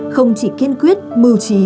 không chỉ kiên quyết mưu trí